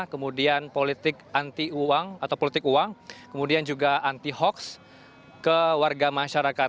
kemudian politik anti uang kemudian juga anti hoax ke warga masyarakat